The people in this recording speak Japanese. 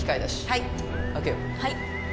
はい。